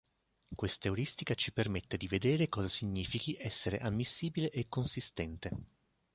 Questa euristica ci permette di "vedere" cosa significhi essere ammissibile e consistente.